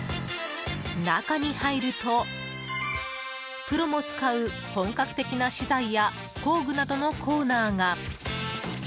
中に入るとプロも使う本格的な資材や工具などのコーナーが。